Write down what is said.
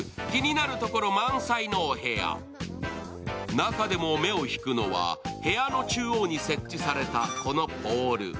中でも目を引くのは部屋の中央に設置されたこのポール。